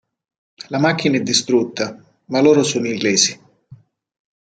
La macchina è distrutta, ma loro sono illesi.